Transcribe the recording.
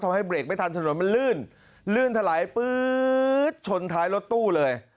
ทำให้เบรกไม่ทันถนนมันลื่นลื่นถลายปื๊ดชนท้ายรถตู้เลย